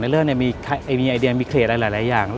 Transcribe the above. นายเลิศเนี่ยมีไอเดียมีเคลียร์หลายอย่าง